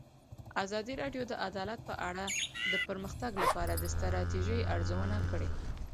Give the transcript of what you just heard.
ازادي راډیو د عدالت په اړه د پرمختګ لپاره د ستراتیژۍ ارزونه کړې.